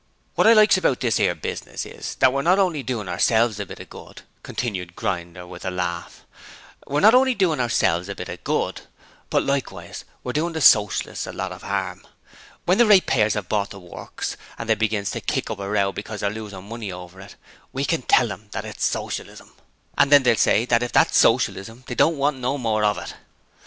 'Wot I likes about this 'ere business is that we're not only doin' ourselves a bit of good,' continued Grinder with a laugh, 'we're not only doin' ourselves a bit of good, but we're likewise doin' the Socialists a lot of 'arm. When the ratepayers 'ave bought the Works, and they begins to kick up a row because they're losin' money over it we can tell 'em that it's Socialism! And then they'll say that if that's Socialism they don't want no more of it.'